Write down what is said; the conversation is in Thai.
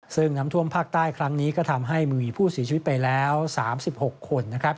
ซึ่งน้ำท่วมภาคใต้ครั้งนี้ก็ทำให้มีผู้เสียชีวิตไปแล้ว๓๖คนนะครับ